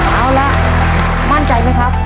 เอาละมั่นใจไหมครับ